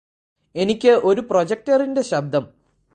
എനിക്ക് ഒരു പ്രൊജക്റ്ററിന്റെ ശബ്ദം